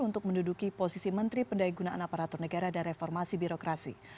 untuk menduduki posisi menteri pendaya gunaan aparatur negara dan reformasi birokrasi